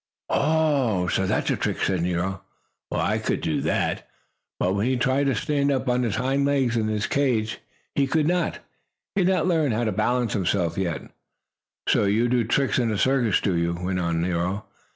"Oh, so that's a trick," said Nero. "Well, I could do that." But when he tried to stand up on his hind legs in his cage he could not. He had not learned how to balance himself. "So you do tricks in a circus, do you?" went on Nero.